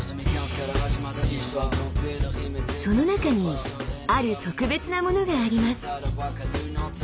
その中にある特別なものがあります。